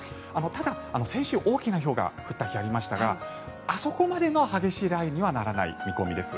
ただ、先週、大きなひょうが降った日がありましたがあそこまでの激しい雷雨にはならない見込みです。